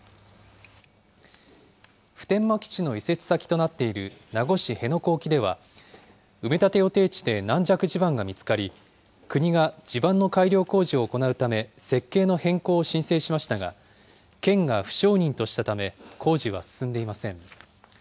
普天間基地の移設先となっている名護市辺野古沖では、埋め立て予定地で軟弱地盤が見つかり、国が地盤の改良工事を行うため、設計の変更を申請しましたが、県が不承認としたため、工事は進んでいません。